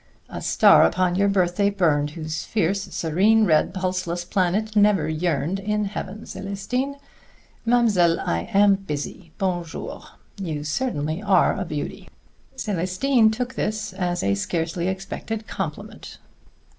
A star upon your birthday burned, whose fierce, serene, red, pulseless planet never yearned in heaven, Célestine. Mademoiselle, I am busy. Bon jour. You certainly are a beauty!" Célestine took this as a scarcely expected compliment.